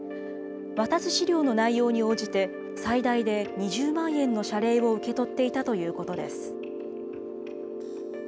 渡す資料の内容に応じて、最大で２０万円の謝礼を受け取っていたということです。